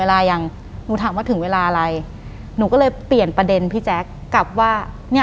หลังจากนั้นเราไม่ได้คุยกันนะคะเดินเข้าบ้านอืม